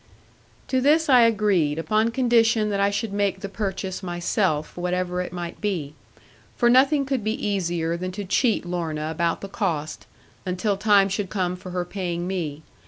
To this I agreed, upon condition that I should make the purchase myself, whatever it might be. For nothing could be easier than to cheat Lorna about the cost, until time should come for her paying me.